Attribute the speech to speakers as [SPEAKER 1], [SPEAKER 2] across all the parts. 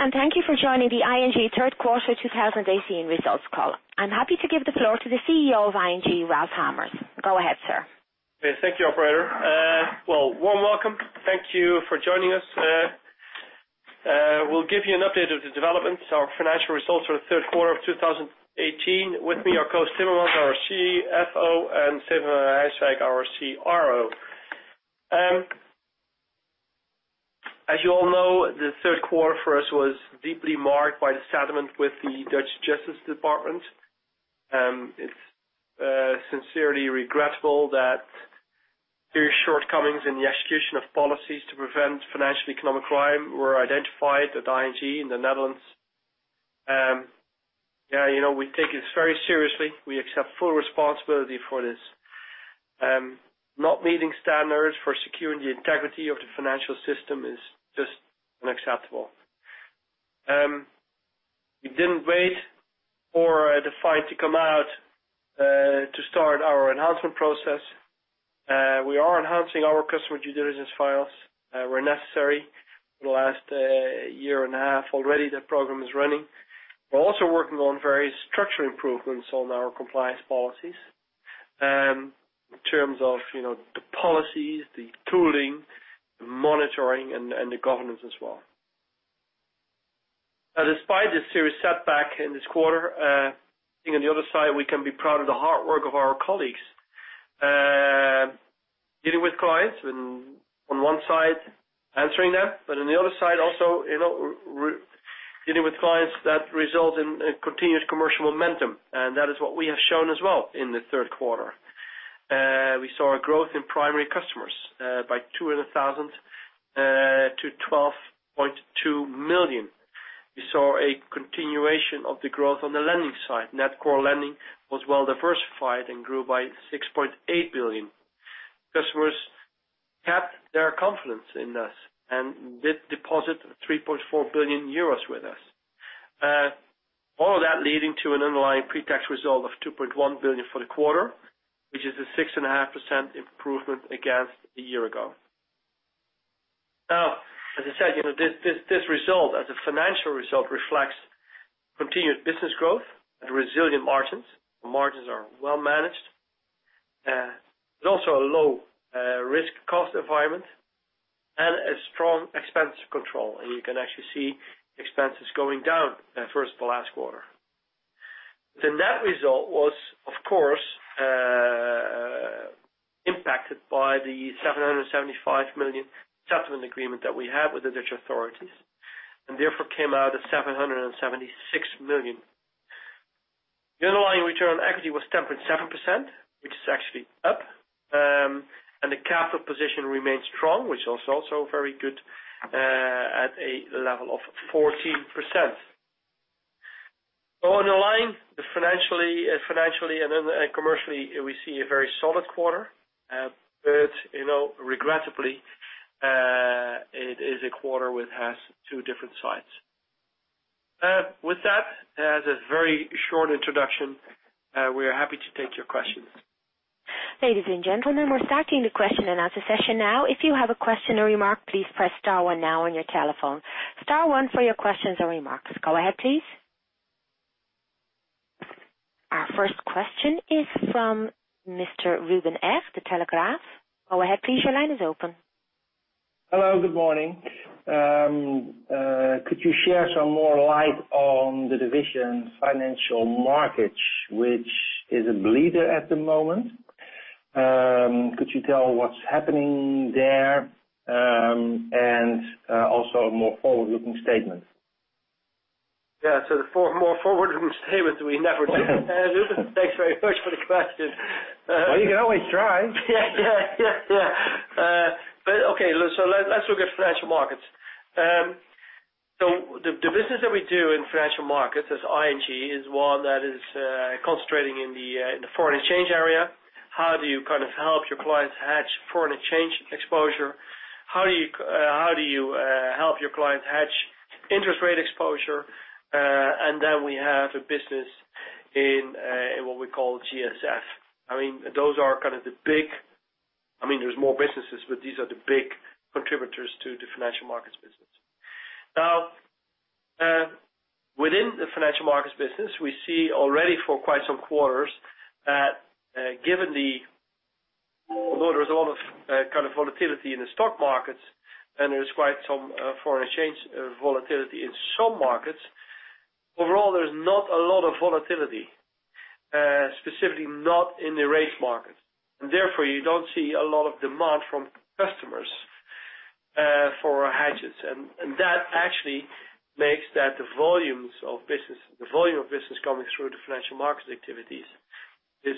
[SPEAKER 1] Welcome, thank you for joining the ING third quarter 2018 results call. I'm happy to give the floor to the CEO of ING, Ralph Hamers. Go ahead, sir.
[SPEAKER 2] Thank you, operator. Warm welcome. Thank you for joining us. We'll give you an update of the developments, our financial results for the third quarter of 2018. With me are Koos Timmermans, our CFO, and Steven van Rijswijk, our CRO. As you all know, the third quarter for us was deeply marked by the settlement with the Dutch Public Prosecution Service. It's sincerely regrettable that serious shortcomings in the execution of policies to prevent financial economic crime were identified at ING in the Netherlands. We take this very seriously. We accept full responsibility for this. Not meeting standards for securing the integrity of the financial system is just unacceptable. We didn't wait for the fine to come out to start our enhancement process. We are enhancing our customer due diligence files where necessary. For the last year and a half already, the program is running. We're also working on various structural improvements on our compliance policies in terms of the policies, the tooling, the monitoring, and the governance as well. Despite the serious setback in this quarter, I think on the other side, we can be proud of the hard work of our colleagues. Dealing with clients and on one side answering them, but on the other side, also dealing with clients that result in continuous commercial momentum, and that is what we have shown as well in the third quarter. We saw a growth in primary customers by 200,000 to 12.2 million. We saw a continuation of the growth on the lending side. Net core lending was well diversified and grew by 6.8 billion. Customers kept their confidence in us and did deposit 3.4 billion euros with us. All of that leading to an underlying pretax result of 2.1 billion for the quarter, which is a 6.5% improvement against a year ago. As I said, this result as a financial result reflects continued business growth and resilient margins. The margins are well managed. There's also a low risk cost environment and a strong expense control, you can actually see expenses going down versus the last quarter. The net result was, of course, impacted by the 775 million settlement agreement that we have with the Dutch Public Prosecution Service, therefore came out at 776 million. The underlying return on equity was 10.7%, which is actually up. The capital position remains strong, which is also very good at a level of 14%. On the line, financially and commercially, we see a very solid quarter. Regrettably, it is a quarter which has two different sides. With that, as a very short introduction, we are happy to take your questions.
[SPEAKER 1] Ladies and gentlemen, we're starting the question and answer session now. If you have a question or remark, please press star one now on your telephone. Star one for your questions or remarks. Go ahead, please. Our first question is from Mr. Ruben Eg, De Telegraaf. Go ahead, please. Your line is open.
[SPEAKER 3] Hello, good morning. Could you share some more light on the division financial markets, which is a bleeder at the moment? Could you tell what's happening there, and also a more forward-looking statement?
[SPEAKER 2] Yeah. The more forward-looking statement, we never do. Ruben, thanks very much for the question.
[SPEAKER 3] You can always try.
[SPEAKER 2] Yeah. Okay, let's look at financial markets. The business that we do in financial markets as ING is one that is concentrating in the foreign exchange area. How do you help your clients hedge foreign exchange exposure? How do you help your clients hedge interest rate exposure? We have a business in what we call GSF. There's more businesses, but these are the big contributors to the financial markets business. Within the financial markets business, we see already for quite some quarters that although there's a lot of volatility in the stock markets, and there's quite some foreign exchange volatility in some markets, overall, there's not a lot of volatility, specifically not in the rates market. Therefore, you don't see a lot of demand from customers for hedges. That actually makes that the volume of business coming through the financial markets activities is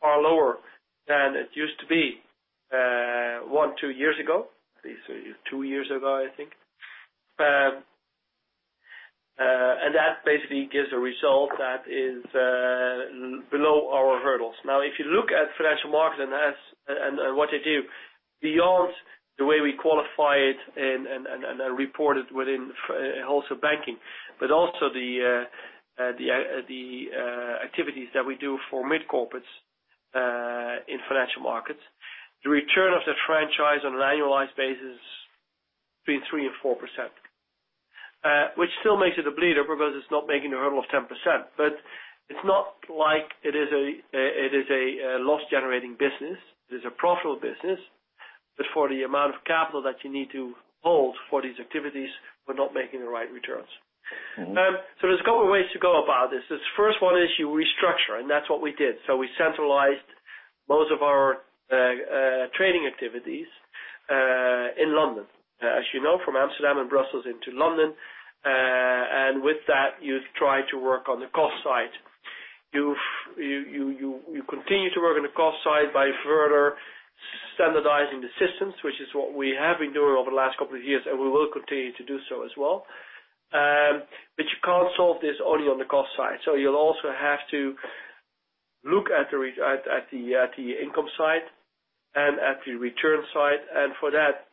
[SPEAKER 2] far lower than it used to be one, two years ago. Two years ago, I think. That basically gives a result that is below our hurdles. If you look at financial markets and what they do beyond the way we qualify it and report it within wholesale banking. Also the activities that we do for mid corporates, in financial markets, the return of that franchise on an annualized basis between 3% and 4%, which still makes it a bleeder because it's not making the hurdle of 10%, but it's not like it is a loss-generating business. It is a profitable business. For the amount of capital that you need to hold for these activities, we're not making the right returns. There's a couple ways to go about this. There's first one is you restructure, and that's what we did. We centralized most of our trading activities in London. As you know, from Amsterdam and Brussels into London. With that, you try to work on the cost side. You continue to work on the cost side by further standardizing the systems, which is what we have been doing over the last couple of years, and we will continue to do so as well. You can't solve this only on the cost side. You'll also have to look at the income side and at the return side. For that,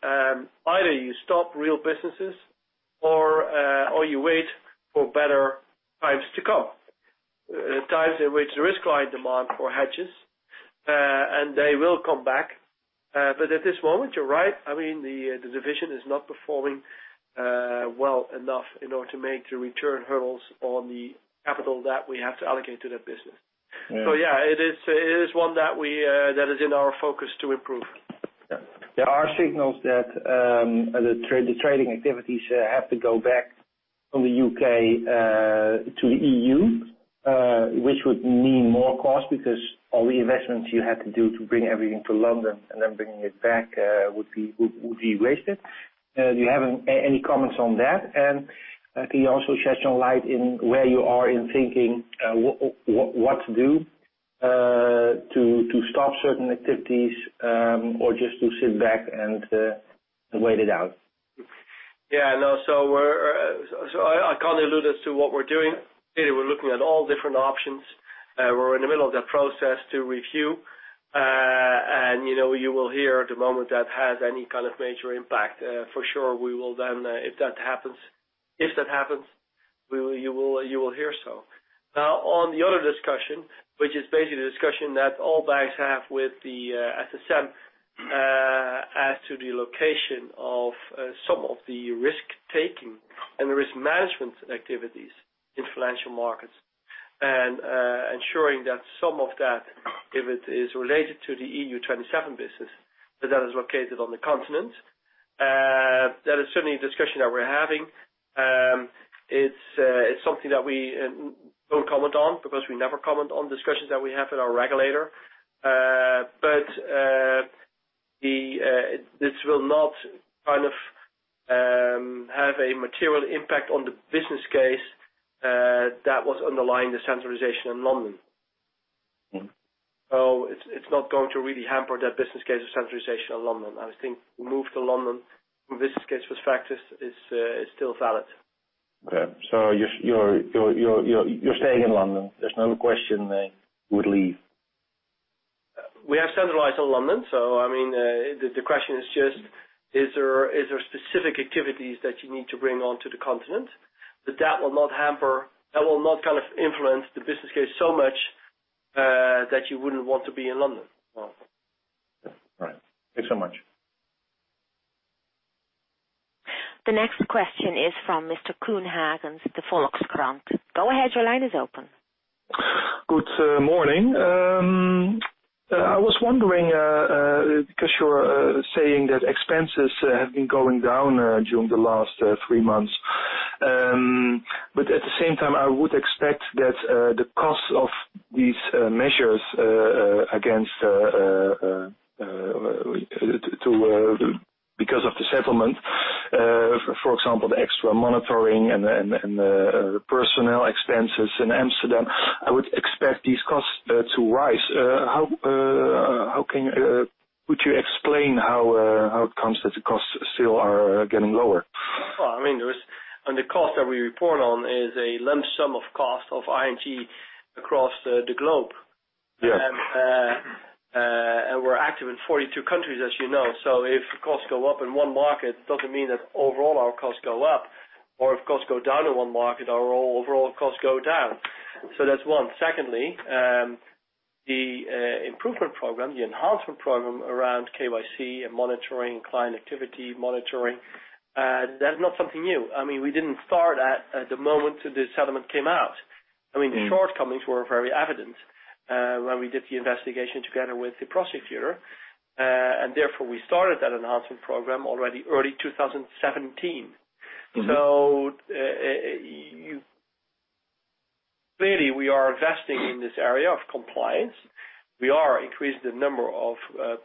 [SPEAKER 2] either you stop real businesses or you wait for better times to come. Times in which the risk client demand for hedges, and they will come back. At this moment, you're right. I mean, the division is not performing well enough in order to make the return hurdles on the capital that we have to allocate to that business.
[SPEAKER 3] Right.
[SPEAKER 2] Yeah, it is one that is in our focus to improve.
[SPEAKER 3] There are signals that the trading activities have to go back from the U.K. to the EU, which would mean more cost because all the investments you had to do to bring everything to London and then bringing it back would be wasted. Do you have any comments on that? Can you also shed some light in where you are in thinking what to do, to stop certain activities or just to sit back and wait it out?
[SPEAKER 2] Yeah. No, I can't allude as to what we're doing. We're looking at all different options. We're in the middle of that process to review, and you will hear the moment that has any kind of major impact. For sure, if that happens, you will hear so. Now, on the other discussion, which is basically the discussion that all banks have with the SSM as to the location of some of the risk-taking and risk management activities in financial markets. Ensuring that some of that, if it is related to the EU 27 business, that is located on the continent. That is certainly a discussion that we're having. It's something that we won't comment on because we never comment on discussions that we have with our regulator. This will not have a material impact on the business case that was underlying the centralization in London. It's not going to really hamper that business case of centralization in London. I think we moved to London, the business case was [inaudible] is still valid.
[SPEAKER 3] Okay. You're staying in London. There's no question they would leave.
[SPEAKER 2] We have centralized in London, so the question is just, are there specific activities that you need to bring onto the continent? That will not influence the business case so much that you wouldn't want to be in London.
[SPEAKER 3] Right. Thanks so much.
[SPEAKER 1] The next question is from Mr. Koen Haegens of de Volkskrant. Go ahead, your line is open.
[SPEAKER 4] Good morning. I was wondering, because you're saying that expenses have been going down during the last three months. At the same time, I would expect that the cost of these measures because of the settlement, for example, the extra monitoring and the personnel expenses in Amsterdam, I would expect these costs to rise. Could you explain how it comes that the costs still are getting lower?
[SPEAKER 2] Well, the cost that we report on is a lump sum of cost of ING across the globe.
[SPEAKER 4] Yes.
[SPEAKER 2] We're active in 42 countries, as you know. If costs go up in one market, it doesn't mean that overall our costs go up. If costs go down in one market, our overall costs go down. That's one. Secondly, the improvement program, the enhancement program around KYC and monitoring, client activity monitoring, that's not something new. We didn't start at the moment that the settlement came out. The shortcomings were very evident when we did the investigation together with the prosecutor. Therefore, we started that enhancement program already early 2017. Clearly, we are investing in this area of compliance. We are increasing the number of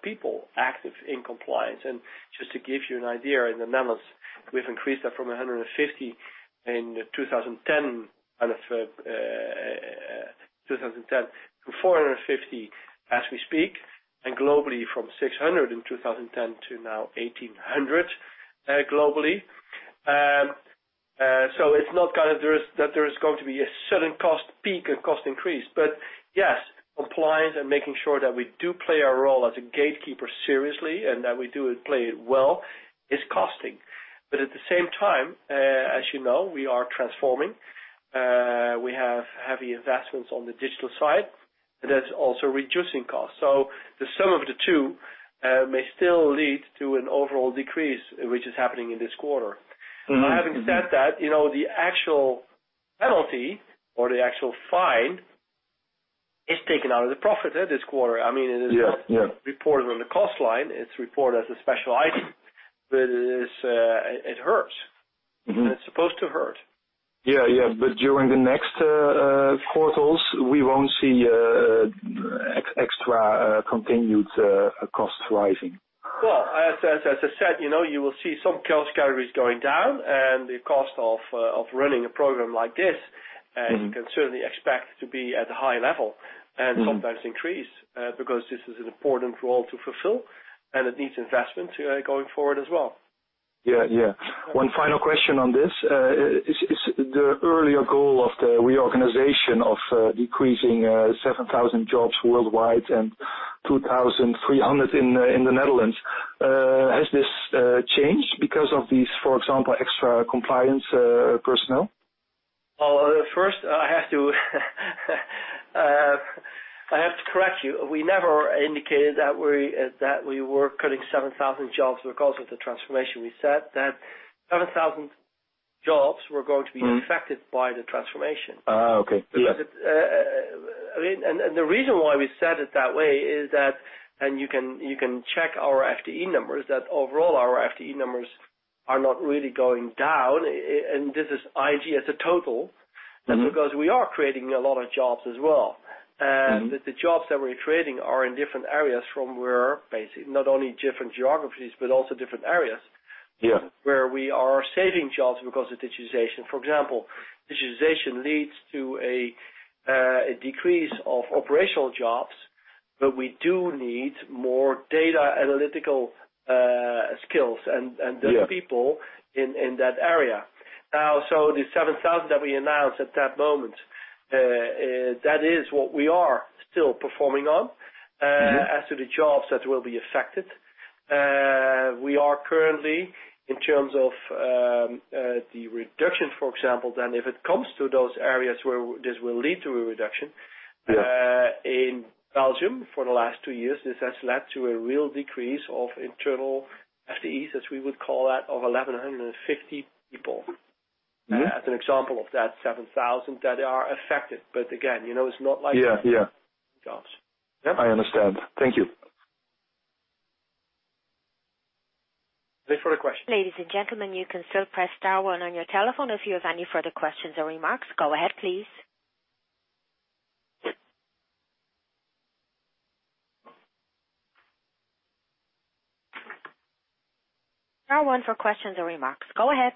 [SPEAKER 2] people active in compliance. Just to give you an idea, in the Netherlands, we've increased that from 150 in 2010 to 450 as we speak, and globally from 600 in 2010 to now 1,800 globally. It's not that there's going to be a sudden cost peak or cost increase. Yes, compliance and making sure that we do play our role as a gatekeeper seriously and that we do play it well is costing. At the same time, as you know, we are transforming. We have heavy investments on the digital side, and that's also reducing costs. The sum of the two may still lead to an overall decrease, which is happening in this quarter. Having said that, the actual penalty or the actual fine is taken out of the profit this quarter.
[SPEAKER 4] Yeah.
[SPEAKER 2] It is not reported on the cost line. It's reported as a special item, it hurts. It's supposed to hurt.
[SPEAKER 4] Yeah. During the next quarters, we won't see extra continued costs rising.
[SPEAKER 2] Well, as I said, you will see some cost categories going down, and the cost of running a program like this. You can certainly expect to be at a high level. Sometimes increase, because this is an important role to fulfill, and it needs investment going forward as well.
[SPEAKER 4] Yeah. One final question on this. The earlier goal of the reorganization of decreasing 7,000 jobs worldwide and 2,300 in the Netherlands, has this changed because of these, for example, extra compliance personnel?
[SPEAKER 2] Well, first, I have to correct you. We never indicated that we were cutting 7,000 jobs because of the transformation. We said that 7,000 jobs were going to be affected by the transformation.
[SPEAKER 4] Okay. Yeah.
[SPEAKER 2] The reason why we said it that way is that, and you can check our FTE numbers, that overall, our FTE numbers are not really going down. This is ING as a total. That's because we are creating a lot of jobs as well. The jobs that we're creating are in different areas from not only different geographies, but also different areas.
[SPEAKER 4] Yeah.
[SPEAKER 2] Where we are saving jobs because of digitization. For example, digitization leads to a decrease of operational jobs, but we do need more data analytical skills.
[SPEAKER 4] Yeah
[SPEAKER 2] those people in that area. The 7,000 that we announced at that moment, that is what we are still performing on. As to the jobs that will be affected. We are currently, in terms of the reduction, for example, then if it comes to those areas where this will lead to a reduction.
[SPEAKER 4] Yeah
[SPEAKER 2] in Belgium for the last two years, this has led to a real decrease of internal FTEs, as we would call that, of 1,150 people.
[SPEAKER 4] Yeah.
[SPEAKER 2] As an example of that 7,000 that are affected. Again, it's not like.
[SPEAKER 4] Yeah
[SPEAKER 2] jobs. Yep.
[SPEAKER 4] I understand. Thank you.
[SPEAKER 2] Any further questions?
[SPEAKER 1] Ladies and gentlemen, you can still press star one on your telephone if you have any further questions or remarks. Go ahead, please. Star one for questions or remarks. Go ahead.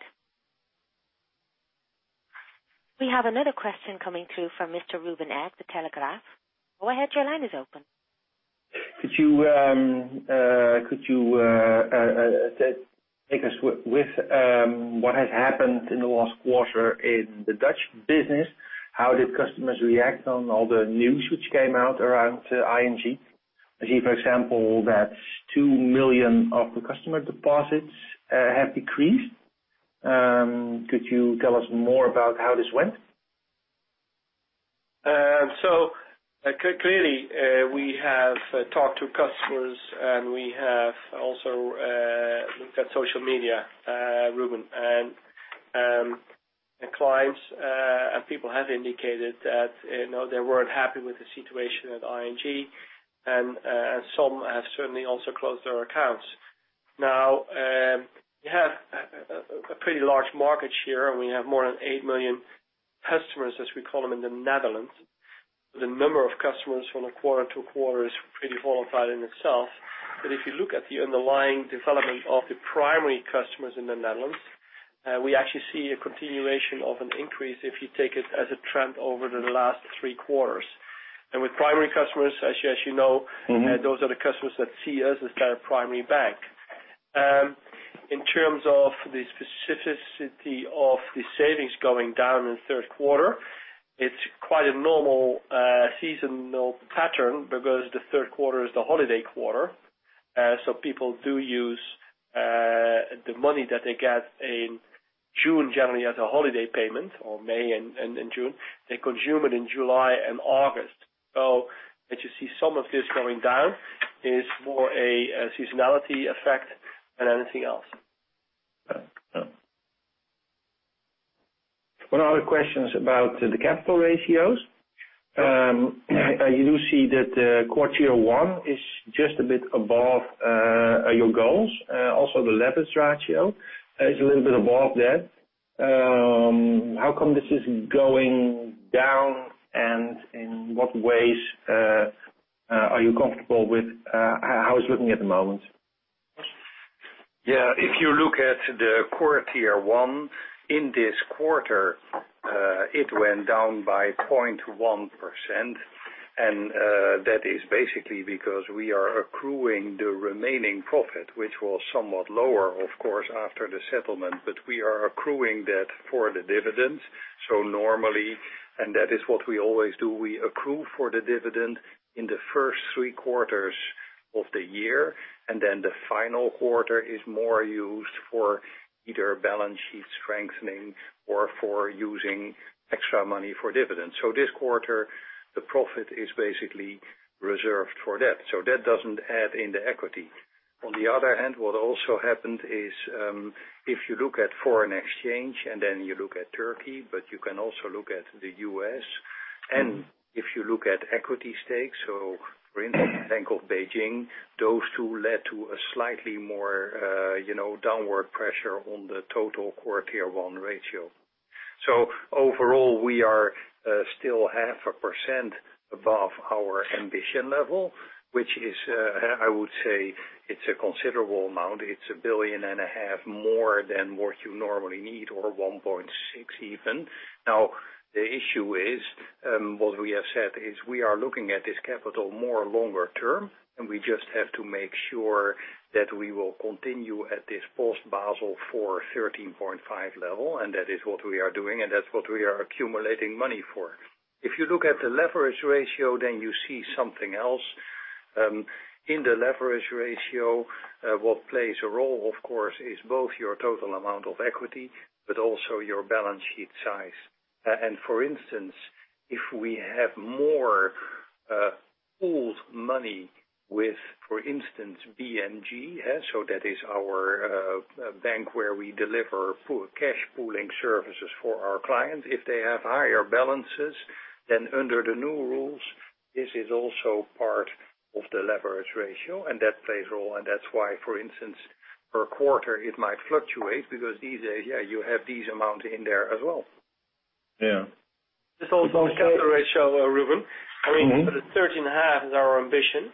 [SPEAKER 1] We have another question coming through from Mr. Ruben Eg, De Telegraaf. Go ahead, your line is open.
[SPEAKER 3] Could you take us with what has happened in the last quarter in the Dutch business? How did customers react on all the news which came out around ING? I see, for example, that 2 million of the customer deposits have decreased. Could you tell us more about how this went?
[SPEAKER 2] Clearly, we have talked to customers, and we have also looked at social media, Ruben. Clients and people have indicated that they weren't happy with the situation at ING, and some have certainly also closed their accounts. Now, we have a pretty large market share, and we have more than 8 million customers, as we call them, in the Netherlands. The number of customers from quarter to quarter is pretty volatile in itself. If you look at the underlying development of the primary customers in the Netherlands, we actually see a continuation of an increase if you take it as a trend over the last three quarters. With primary customers, as you know. Those are the customers that see us as their primary bank. In terms of the specificity of the savings going down in the third quarter, it's quite a normal seasonal pattern because the third quarter is the holiday quarter. People do use the money that they get in June, generally as a holiday payment, or May and June. They consume it in July and August. That you see some of this going down is more a seasonality effect than anything else.
[SPEAKER 3] One of the questions about the capital ratios.
[SPEAKER 2] Yeah.
[SPEAKER 3] You see that core Tier 1 is just a bit above your goals. The leverage ratio is a little bit above that. How come this is going down, and in what ways are you comfortable with how it's looking at the moment?
[SPEAKER 2] If you look at the core Tier 1 in this quarter, it went down by 0.1%. That is basically because we are accruing the remaining profit, which was somewhat lower, of course, after the settlement. We are accruing that for the dividends, so normally-
[SPEAKER 5] That is what we always do. We accrue for the dividend in the first three quarters of the year, and then the final quarter is more used for either balance sheet strengthening or for using extra money for dividends. This quarter, the profit is basically reserved for that. That doesn't add in the equity. On the other hand, what also happened is, if you look at foreign exchange and then you look at Turkey, but you can also look at the U.S., and if you look at equity stakes, so for instance, Bank of Beijing, those two led to a slightly more downward pressure on the total core Tier 1 ratio. Overall, we are still 0.5% above our ambition level, which is, I would say, it's a considerable amount. It's a billion and a half more than what you normally need, or 1.6 even. Now, the issue is, what we have said is we are looking at this capital more longer term, and we just have to make sure that we will continue at this post-Basel IV 13.5 level, and that is what we are doing, and that's what we are accumulating money for. If you look at the leverage ratio, then you see something else. In the leverage ratio, what plays a role, of course, is both your total amount of equity, but also your balance sheet size. For instance, if we have more pooled money with, for instance, BNG. That is our bank where we deliver cash pooling services for our clients. If they have higher balances, then under the new rules, this is also part of the leverage ratio, and that plays a role, and that's why, for instance, per quarter, it might fluctuate because you have these amounts in there as well.
[SPEAKER 3] Yeah.
[SPEAKER 2] Just also on the capital ratio, Ruben. I mean, for the 13.5 is our ambition.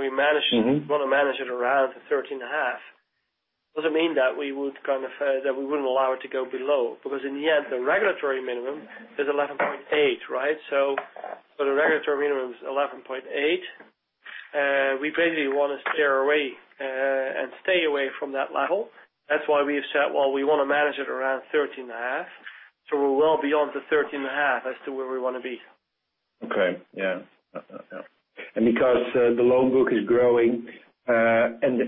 [SPEAKER 2] We want to manage it around the 13.5. Doesn't mean that we wouldn't allow it to go below, because in the end, the regulatory minimum is 11.8. The regulatory minimum is 11.8. We basically want to steer away and stay away from that level. That's why we've said, well, we want to manage it around 13.5. We're well beyond the 13.5 as to where we want to be.
[SPEAKER 3] Okay. Yeah. Because the loan book is growing, and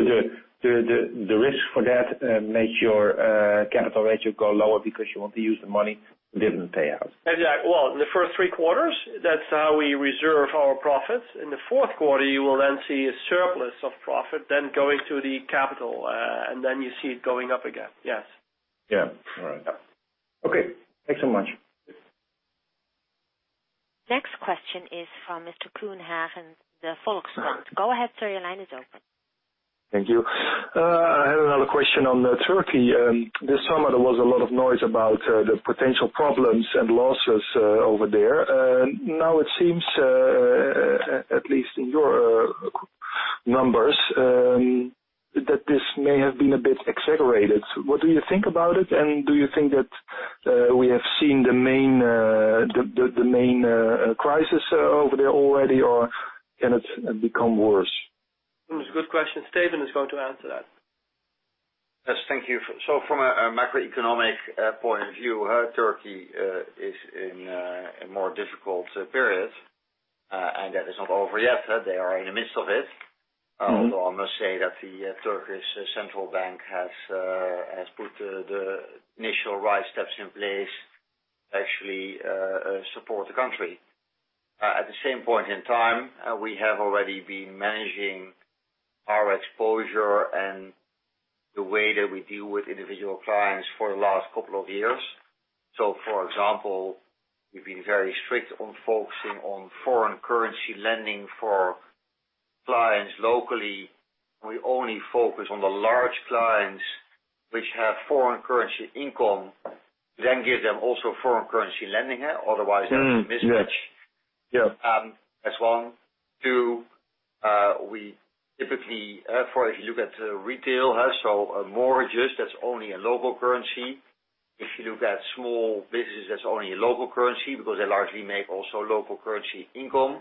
[SPEAKER 3] the risk for that makes your capital ratio go lower because you want to use the money, didn't pay out.
[SPEAKER 2] Exactly. Well, in the first three quarters, that's how we reserve our profits. In the fourth quarter, you will then see a surplus of profit then going to the capital, and then you see it going up again. Yes.
[SPEAKER 3] Yeah. All right. Okay. Thanks so much.
[SPEAKER 1] Next question is from Mr. Koen Haegens, de Volkskrant. Go ahead, sir. Your line is open.
[SPEAKER 4] Thank you. I have another question on Turkey. This summer, there was a lot of noise about the potential problems and losses over there. Now it seems, at least in your numbers, that this may have been a bit exaggerated. What do you think about it? Do you think that we have seen the main crisis over there already, or can it become worse?
[SPEAKER 2] It's a good question. Steven is going to answer that.
[SPEAKER 6] Yes. Thank you. From a macroeconomic point of view, Turkey is in a more difficult period, and that is not over yet. They are in the midst of it. Although I must say that the Turkish Central Bank has put the initial right steps in place to actually support the country. At the same point in time, we have already been managing our exposure and the way that we deal with individual clients for the last couple of years. For example, we've been very strict on focusing on foreign currency lending for clients locally. We only focus on the large clients which have foreign currency income, then give them also foreign currency lending. Otherwise, there's a mismatch.
[SPEAKER 4] Yes.
[SPEAKER 6] That's one. Two, we typically, if you look at retail, so mortgages, that's only a local currency. If you look at small businesses, that's only a local currency because they largely make also local currency income.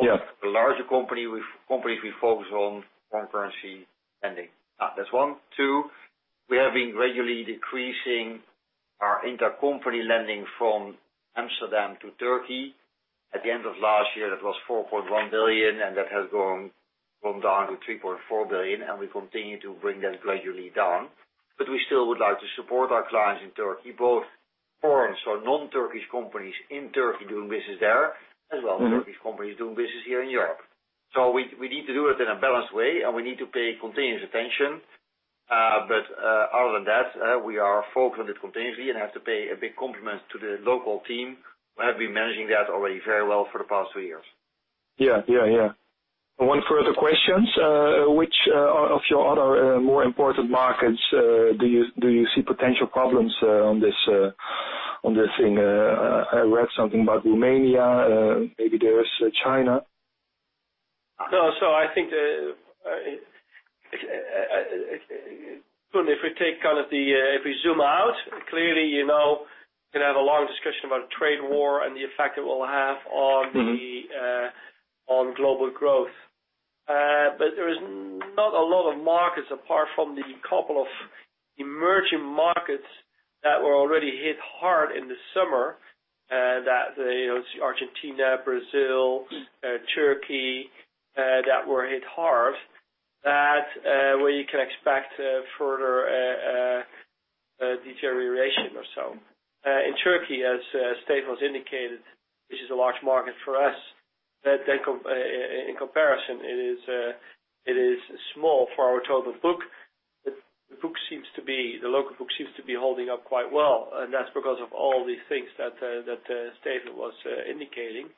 [SPEAKER 4] Yes.
[SPEAKER 6] The larger company, we focus on foreign currency lending. That's one. Two, we have been gradually decreasing our intercompany lending from Amsterdam to Turkey. At the end of last year, that was 4.1 billion. That has gone down to 3.4 billion, and we continue to bring that gradually down. We still would like to support our clients in Turkey, both foreign, so non-Turkish companies in Turkey doing business there, as well as Turkish companies doing business here in Europe. We need to do it in a balanced way, and we need to pay continuous attention. Other than that, we are focused on it continuously and have to pay a big compliment to the local team who have been managing that already very well for the past two years.
[SPEAKER 4] Yeah. One further question. Which of your other more important markets do you see potential problems on this thing? I read something about Romania. Maybe there is China.
[SPEAKER 2] I think, if we zoom out, clearly, you can have a long discussion about trade war and the effect it will have on global growth.
[SPEAKER 5] There is not a lot of markets apart from the couple of emerging markets that were already hit hard in the summer, Argentina, Brazil, Turkey, that were hit hard, that where you can expect further deterioration or so. In Turkey, as Steven has indicated, which is a large market for us, in comparison it is small for our total book. The local book seems to be holding up quite well, and that's because of all the things that Steven was indicating.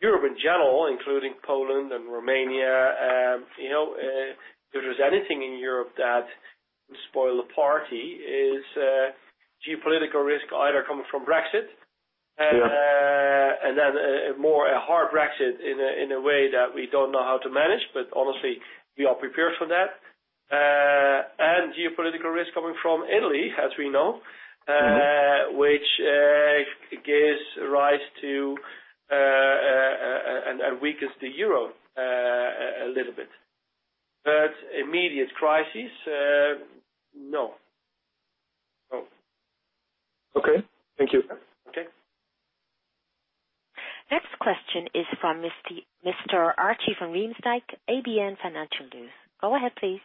[SPEAKER 5] Europe in general, including Poland and Romania, if there is anything in Europe that can spoil the party is geopolitical risk either coming from Brexit.
[SPEAKER 4] Sure
[SPEAKER 5] A more hard Brexit in a way that we don't know how to manage, but honestly, we are prepared for that. Geopolitical risk coming from Italy, as we know. which gives rise to and weakens the EUR a little bit. Immediate crisis, no.
[SPEAKER 4] Okay. Thank you.
[SPEAKER 5] Okay.
[SPEAKER 1] Next question is from Mr. Archie van Riemsdijk, ABM Financial News. Go ahead, please.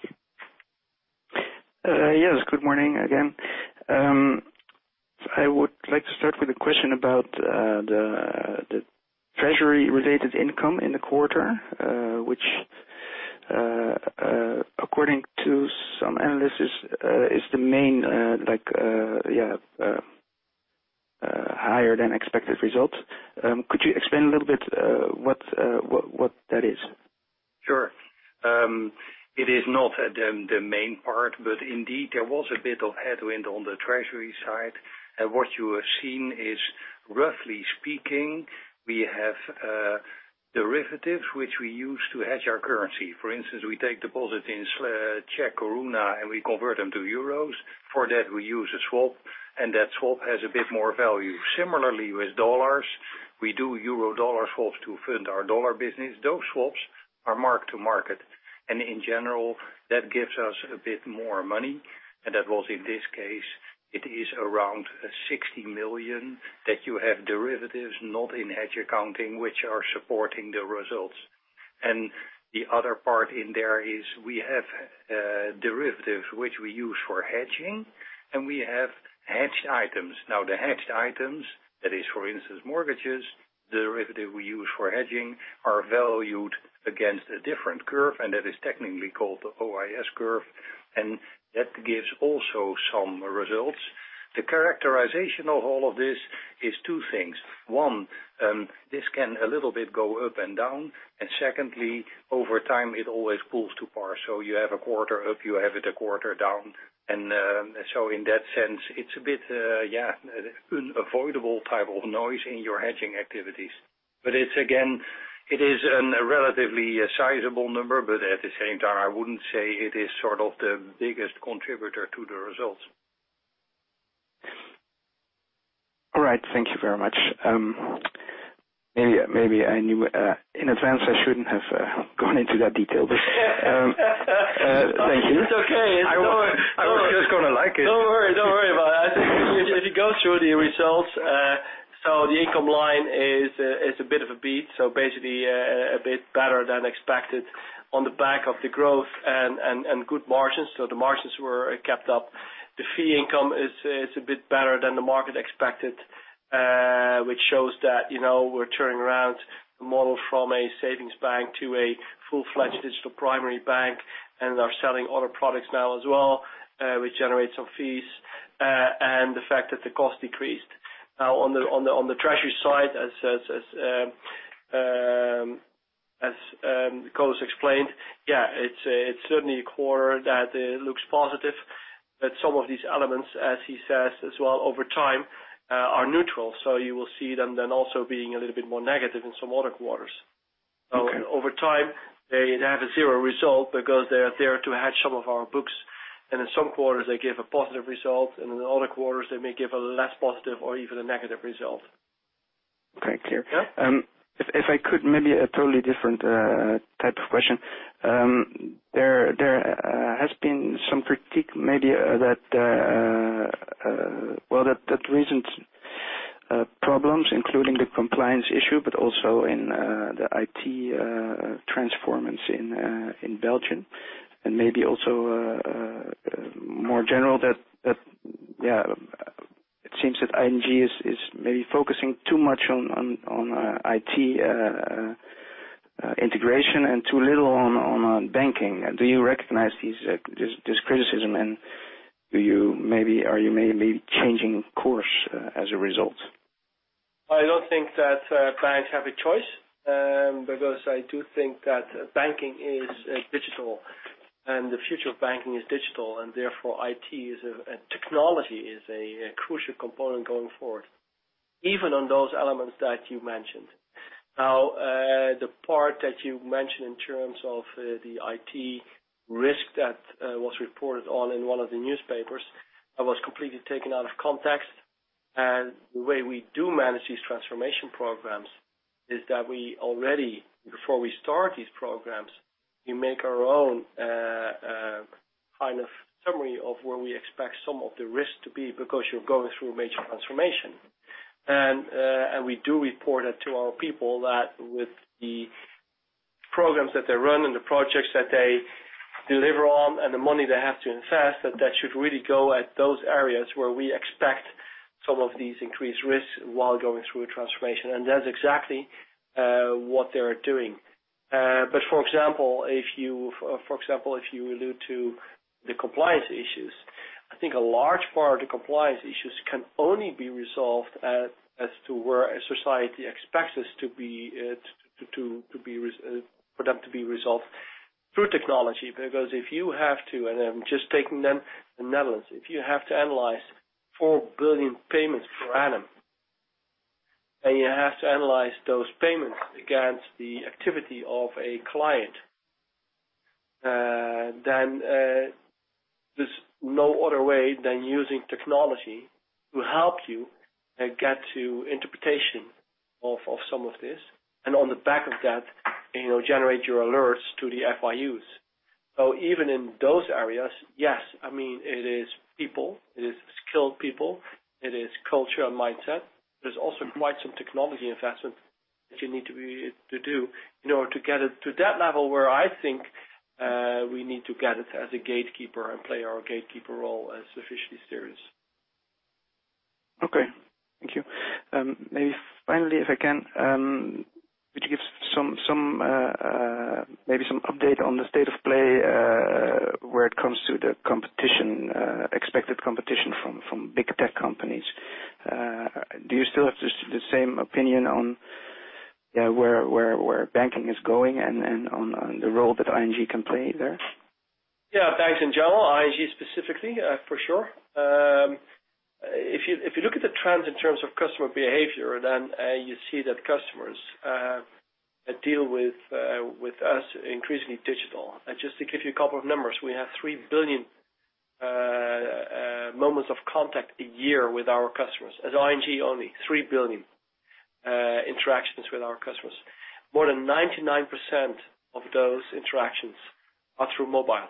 [SPEAKER 7] Yes. Good morning again. I would like to start with a question about the treasury-related income in the quarter, which according to some analysis is the main higher than expected result. Could you explain a little bit what that is?
[SPEAKER 5] Sure. It is not the main part, but indeed, there was a bit of headwind on the treasury side. What you are seeing is roughly speaking, we have derivatives which we use to hedge our currency. For instance, we take deposits in Czech koruna, and we convert them to EUR. For that, we use a swap, and that swap has a bit more value. Similarly, with USD, we do euro USD swaps to fund our USD business. Those swaps are mark to market. In general, that gives us a bit more money, and that was, in this case, it is around 60 million, that you have derivatives not in hedge accounting, which are supporting the results. The other part in there is we have derivatives which we use for hedging, and we have hedged items. The hedged items, that is, for instance, mortgages, derivative we use for hedging, are valued against a different curve, and that is technically called the OIS curve, and that gives also some results. The characterization of all of this is two things. One, this can a little bit go up and down, and secondly, over time, it always pulls to par. You have a quarter up, you have it a quarter down. In that sense, it's a bit unavoidable type of noise in your hedging activities. It's again, it is a relatively sizable number, but at the same time, I wouldn't say it is sort of the biggest contributor to the results.
[SPEAKER 7] All right. Thank you very much. Maybe I knew in advance I shouldn't have gone into that detail, but thank you.
[SPEAKER 5] It's okay.
[SPEAKER 7] I was just going to like it.
[SPEAKER 2] Don't worry about it. If you go through the results, so the income line is a bit of a beat, so basically, a bit better than expected on the back of the growth and good margins. The margins were kept up. The fee income is a bit better than the market expected, which shows that we're turning around the model from a savings bank to a full-fledged digital primary bank and are selling other products now as well, which generates some fees, and the fact that the cost decreased. Now on the treasury side, as Koos explained, yeah, it's certainly a quarter that looks positive, but some of these elements, as he says as well over time, are neutral. You will see them then also being a little bit more negative in some other quarters.
[SPEAKER 7] Okay.
[SPEAKER 5] Over time, they have a zero result because they are there to hedge some of our books, and in some quarters, they give a positive result, and in other quarters, they may give a less positive or even a negative result.
[SPEAKER 7] Okay. Clear.
[SPEAKER 5] Yeah.
[SPEAKER 7] If I could, maybe a totally different type of question. There has been some critique, maybe that recent problems, including the compliance issue, but also in the IT transformation in Belgium and maybe also more general that it seems that ING is maybe focusing too much on IT integration and too little on banking. Do you recognize this criticism, and are you maybe changing course as a result?
[SPEAKER 2] I don't think that banks have a choice, because I do think that banking is digital and the future of banking is digital, and therefore, IT as a technology is a crucial component going forward, even on those elements that you mentioned. Now, the part that you mentioned in terms of the IT risk that was reported on in one of the newspapers, that was completely taken out of context. The way we do manage these transformation programs is that we already, before we start these programs, we make our own summary of where we expect some of the risks to be because you're going through a major transformation. We do report it to our people that with the programs that they run and the projects that they deliver on and the money they have to invest, that that should really go at those areas where we expect some of these increased risks while going through a transformation. That's exactly what they are doing. For example, if you allude to the compliance issues, I think a large part of compliance issues can only be resolved as to where a society expects for them to be resolved through technology. If you have to, and I'm just taking the Netherlands, if you have to analyze 4 billion payments per annum, and you have to analyze those payments against the activity of a client, then there's no other way than using technology to help you get to interpretation of some of this. On the back of that, generate your alerts to the FIUs. Even in those areas, yes, it is people, it is skilled people, it is culture and mindset. There's also quite some technology investment that you need to do in order to get it to that level where I think, we need to get it as a gatekeeper and play our gatekeeper role sufficiently serious.
[SPEAKER 7] Okay. Thank you. Finally, if I can, could you give some update on the state of play, where it comes to the expected competition from big tech companies? Do you still have the same opinion on where banking is going and on the role that ING can play there?
[SPEAKER 2] Yeah, banks in general, ING specifically, for sure. If you look at the trends in terms of customer behavior, you see that customers deal with us increasingly digital. Just to give you a couple of numbers, we have 3 billion moments of contact a year with our customers, as ING only. 3 billion interactions with our customers. More than 99% of those interactions are through mobile,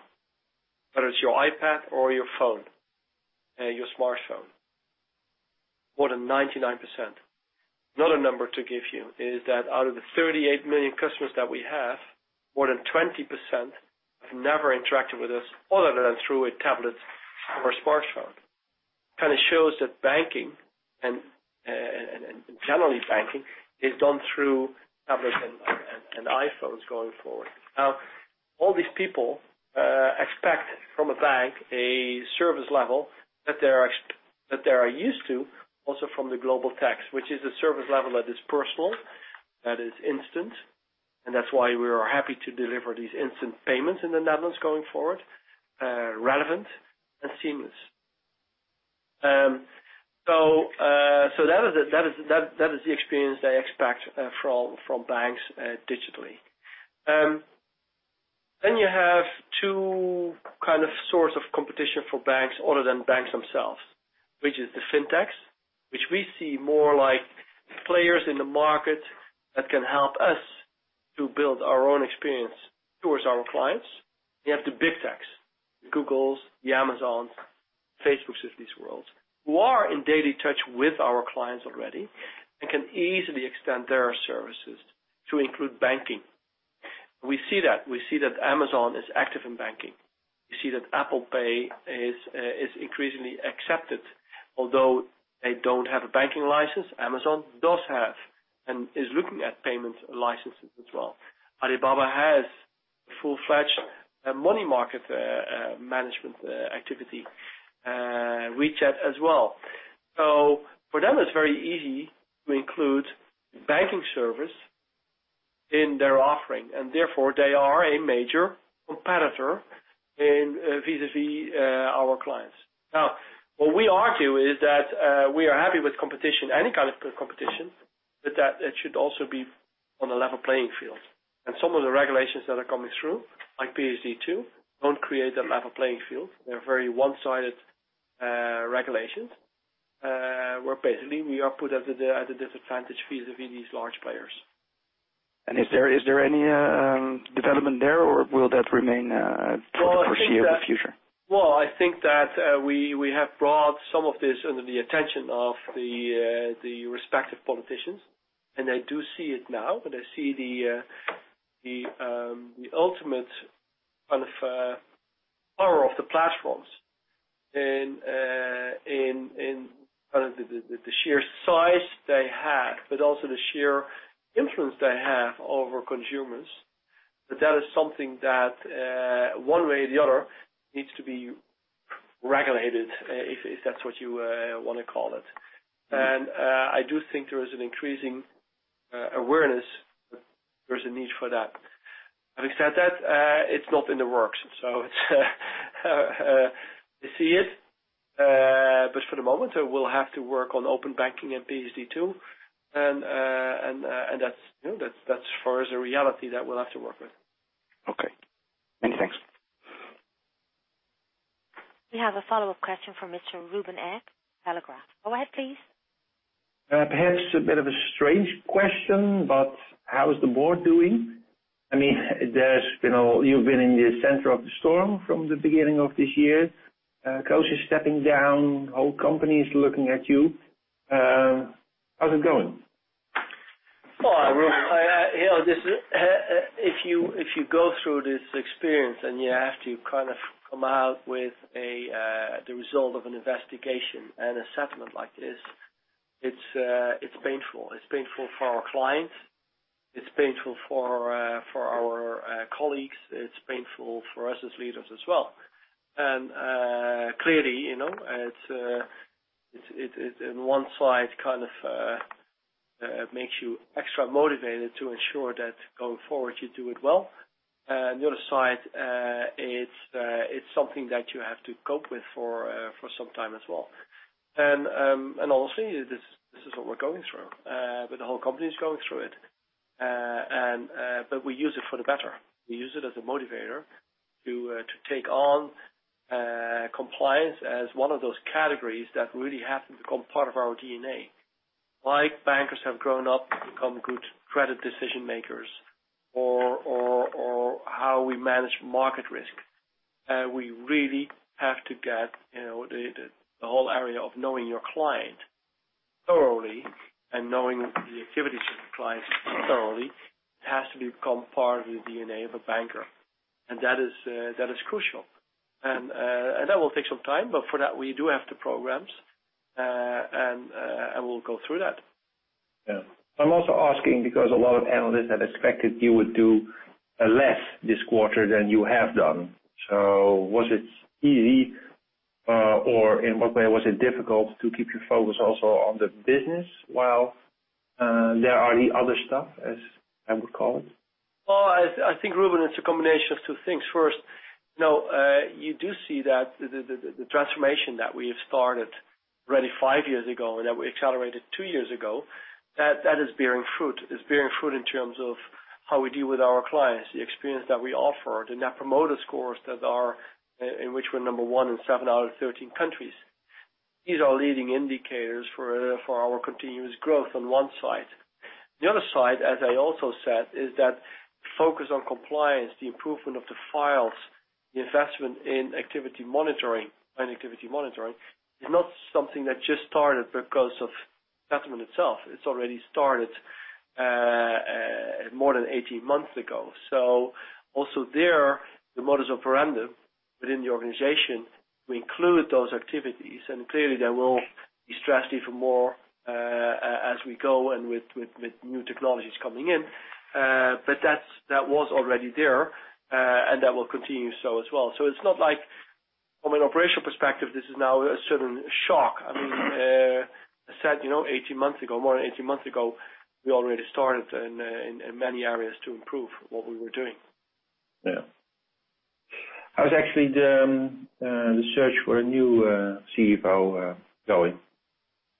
[SPEAKER 2] whether it's your iPad or your phone, your smartphone. More than 99%. Another number to give you is that out of the 38 million customers that we have, more than 20% have never interacted with us other than through a tablet or a smartphone. Kind of shows that banking, and generally banking, is done through tablets and iPhones going forward. Now, all these people expect from a bank a service level that they are used to also from the global techs, which is a service level that is personal, that is instant, and that's why we are happy to deliver these instant payments in the Netherlands going forward, relevant, and seamless. That is the experience they expect from banks digitally. You have two kind of source of competition for banks other than banks themselves, which is the fintechs, which we see more like players in the market that can help us to build our own experience towards our clients. You have the big techs, the Googles, the Amazons, Facebooks of this world, who are in daily touch with our clients already and can easily extend their services to include banking. We see that. We see that Amazon is active in banking. We see that Apple Pay is increasingly accepted, although they don't have a banking license. Amazon does have and is looking at payments licenses as well. Alibaba has full-fledged money market management activity, WeChat as well. For them, it's very easy to include banking service in their offering, and therefore, they are a major competitor in vis-a-vis our clients. Now, what we argue is that we are happy with competition, any kind of competition, that it should also be on a level playing field. Some of the regulations that are coming through, like PSD2, don't create a level playing field. They're very one-sided regulations, where basically we are put at a disadvantage vis-a-vis these large players.
[SPEAKER 7] Is there any development there, or will that remain for the foreseeable future?
[SPEAKER 2] I think that we have brought some of this under the attention of the respective politicians, they do see it now. They see the ultimate kind of power of the platforms and the sheer size they have, but also the sheer influence they have over consumers. That is something that, one way or the other, needs to be regulated, if that's what you want to call it. I do think there is an increasing awareness there's a need for that. Having said that, it's not in the works. They see it, but for the moment, we'll have to work on open banking and PSD2, and that's for as a reality that we'll have to work with.
[SPEAKER 7] Okay. Many thanks.
[SPEAKER 1] We have a follow-up question from Mr. Ruben Eg, Telegraaf. Go ahead, please.
[SPEAKER 3] Perhaps a bit of a strange question, how is the board doing? You've been in the center of the storm from the beginning of this year. Koos is stepping down. The whole company is looking at you. How's it going?
[SPEAKER 2] Well, Ruben, if you go through this experience, you have to come out with the result of an investigation and a settlement like this, it's painful. It's painful for our clients, it's painful for our colleagues, it's painful for us as leaders as well. Clearly, in one side, makes you extra motivated to ensure that going forward, you do it well. On the other side, it's something that you have to cope with for some time as well. Honestly, this is what we're going through. The whole company is going through it. We use it for the better. We use it as a motivator to take on compliance as one of those categories that really have to become part of our DNA. Like bankers have grown up to become good credit decision-makers or how we manage market risk. We really have to get the whole area of knowing your client thoroughly, knowing the activities of your clients thoroughly, it has to become part of the DNA of a banker, that is crucial. That will take some time, for that, we do have the programs, we'll go through that.
[SPEAKER 3] Yeah. I'm also asking because a lot of analysts had expected you would do less this quarter than you have done. Was it easy or in what way was it difficult to keep your focus also on the business while there are the other stuff, as I would call it?
[SPEAKER 2] Well, I think, Ruben, it's a combination of two things. First, you do see that the transformation that we've started already five years ago and that we accelerated two years ago, that is bearing fruit. It's bearing fruit in terms of how we deal with our clients, the experience that we offer, the Net Promoter Scores in which we're number one in seven out of 13 countries. These are leading indicators for our continuous growth on one side. The other side, as I also said, is that focus on compliance, the improvement of the files, the investment in activity monitoring is not something that just started because of the settlement itself. It's already started more than 18 months ago. Also there, the modus operandi within the organization, we include those activities, and clearly they will be stressed even more as we go and with new technologies coming in. That was already there, and that will continue so as well. It's not like from an operational perspective, this is now a sudden shock. I said more than 18 months ago, we already started in many areas to improve what we were doing.
[SPEAKER 3] How is actually the search for a new CFO going?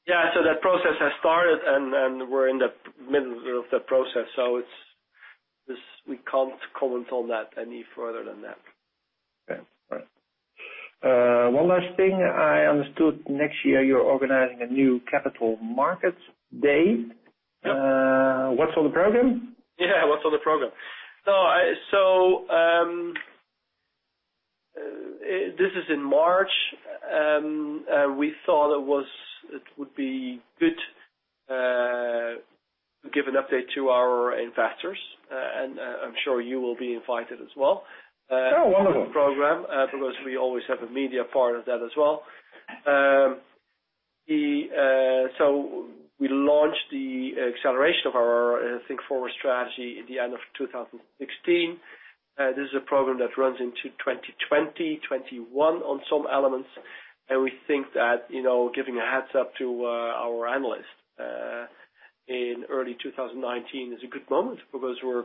[SPEAKER 2] That process has started, and we're in the middle of that process, so we can't comment on that any further than that.
[SPEAKER 3] Okay. All right. One last thing. I understood next year you're organizing a new capital markets day.
[SPEAKER 2] Yep.
[SPEAKER 3] What's on the program?
[SPEAKER 2] Yeah. What's on the program? This is in March. We thought it would be good to give an update to our investors, and I'm sure you will be invited as well.
[SPEAKER 3] Oh, wonderful.
[SPEAKER 2] We launched the acceleration of our Think Forward strategy at the end of 2016. This is a program that runs into 2020, 2021 on some elements, and we think that giving a heads-up to our analysts in early 2019 is a good moment because we're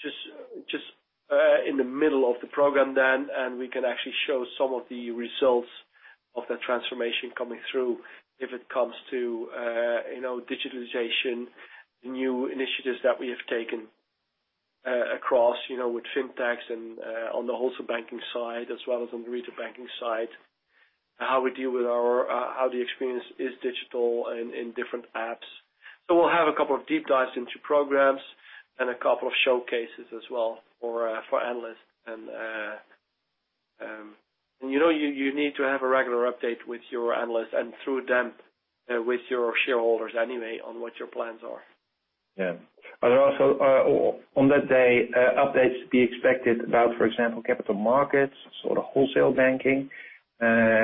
[SPEAKER 2] just in the middle of the program then, and we can actually show some of the results of that transformation coming through if it comes to digitalization, new initiatives that we have taken across with fintechs and on the wholesale banking side, as well as on the retail banking side, how the experience is digital in different apps. We'll have a couple of deep dives into programs and a couple of showcases as well for analysts. You need to have a regular update with your analysts and through them with your shareholders anyway on what your plans are.
[SPEAKER 3] Yeah. Are there also on that day updates to be expected about, for example, capital markets, sort of wholesale banking,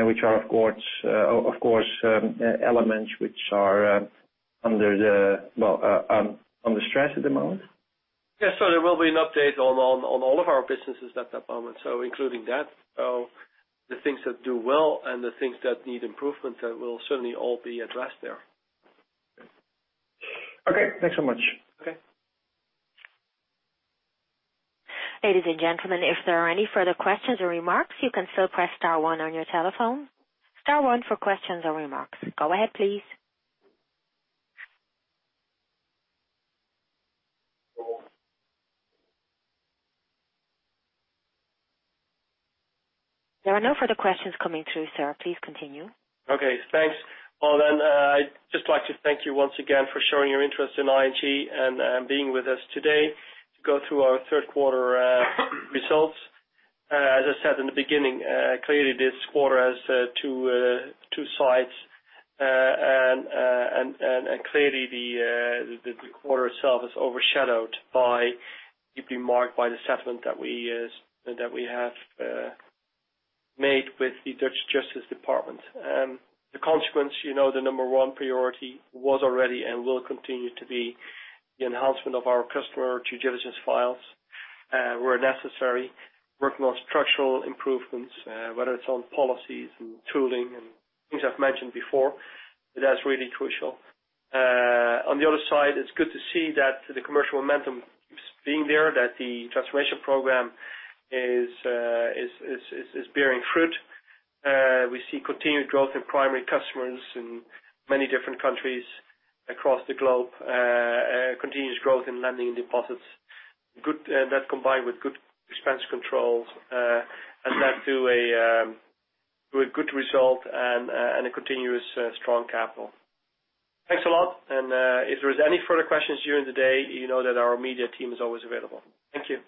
[SPEAKER 3] which are, of course, elements which are under stress at the moment?
[SPEAKER 2] Yeah. There will be an update on all of our businesses at that moment. Including that. The things that do well and the things that need improvement, that will certainly all be addressed there.
[SPEAKER 3] Okay. Thanks so much.
[SPEAKER 2] Okay.
[SPEAKER 1] Ladies and gentlemen, if there are any further questions or remarks, you can still press star one on your telephone. Star one for questions or remarks. Go ahead, please. There are no further questions coming through, sir. Please continue.
[SPEAKER 2] Okay. Thanks. Well, then, I'd just like to thank you once again for showing your interest in ING and being with us today to go through our third quarter results. As I said in the beginning, clearly, this quarter has two sides. Clearly the quarter itself is overshadowed by, deeply marked by the settlement that we have made with the Dutch Public Prosecution Service. The consequence, the number one priority was already and will continue to be the enhancement of our customer due diligence files, where necessary, working on structural improvements, whether it's on policies and tooling and things I've mentioned before. That's really crucial. On the other side, it's good to see that the commercial momentum keeps being there, that the transformation program is bearing fruit. We see continued growth in primary customers in many different countries across the globe, continuous growth in lending and deposits. That combined with good expense controls, and that to a good result and a continuous strong capital. Thanks a lot, if there's any further questions during the day, you know that our media team is always available. Thank you.